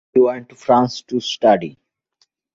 He went to France to study.